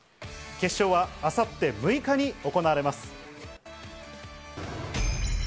決勝は明後日６日に行われます。